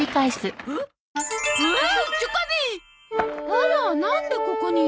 あらなんでここに？